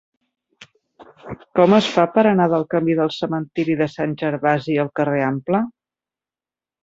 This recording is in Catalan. Com es fa per anar del camí del Cementiri de Sant Gervasi al carrer Ample?